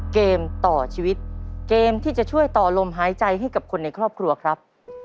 เกมต่อชีวิตเกมที่จะช่วยต่อลมหายใจให้กับคนในครอบครัวครับ